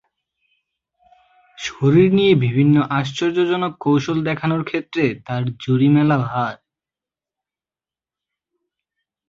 শরীর নিয়ে বিভিন্ন আশ্চর্যজনক কৌশল দেখানোর ক্ষেত্রে তার জুরি মেলা ভার।